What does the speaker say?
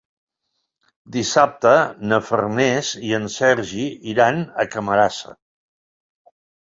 Dissabte na Farners i en Sergi iran a Camarasa.